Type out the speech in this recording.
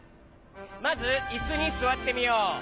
まずいすにすわってみよう。